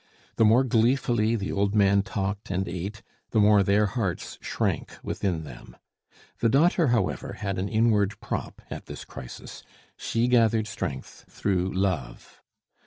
The more gleefully the old man talked and ate, the more their hearts shrank within them. The daughter, however, had an inward prop at this crisis, she gathered strength through love.